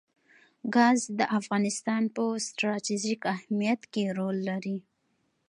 ګاز د افغانستان په ستراتیژیک اهمیت کې رول لري.